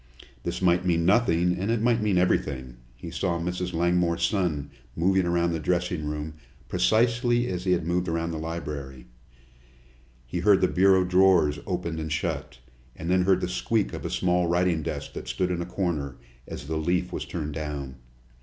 This might mean nothing, and it might mean everything. He saw Mrs. Langmore's son moving around the dressing room precisely as he had moved around the library. He heard the bureau drawers opened and shut, and then heard the squeak of a small writing desk that stood in a corner, as the leaf was turned down.